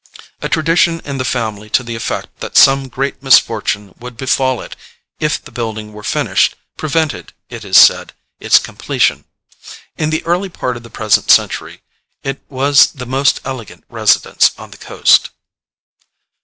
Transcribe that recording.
A tradition in the family to the effect that some great misfortune would befall it if the building were finished prevented, it is said, its completion. In the early part of the present century it was the most elegant residence on the coast.